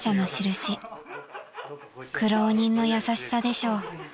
［苦労人の優しさでしょう］